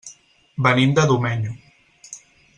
Venim de Domenyo.